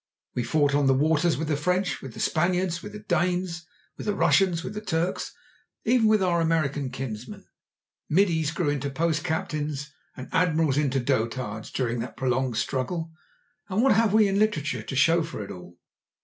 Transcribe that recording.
We fought on the waters with the French, with the Spaniards, with the Danes, with the Russians, with the Turks, even with our American kinsmen. Middies grew into post captains, and admirals into dotards during that prolonged struggle. And what have we in literature to show for it all?